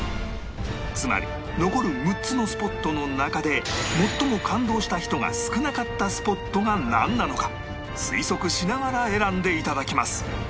つまり残る６つのスポットの中で最も感動した人が少なかったスポットがなんなのか推測しながら選んでいただきます